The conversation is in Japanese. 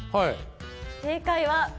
正解は。